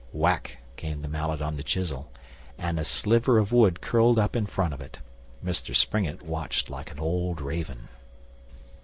Whack, came the mallet on the chisel, and a sliver of wood curled up in front of it. Mr Springett watched like an old raven.